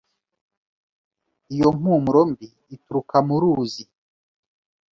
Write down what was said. Iyo mpumuro mbi ituruka mu ruzi.